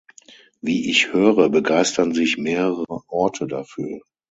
Wie ich höre, begeistern sich mehrere Orte dafür.